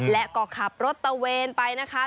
และก็ขับรถตะเวนไปนะคะ